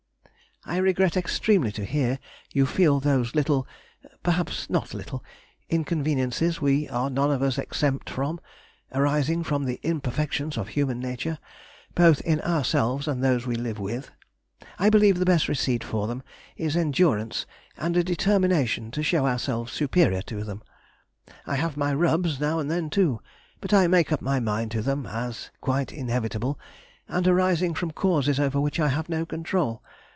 I regret extremely to hear you feel those little (perhaps not little) inconveniences we are none of us exempt from, arising from the imperfections of human nature, both in ourselves and those we live with. I believe the best receipt for them is endurance and a determination to show ourselves superior to them. I have my rubs now and then too, but I make up my mind to them as quite inevitable, and arising from causes over which I have no control.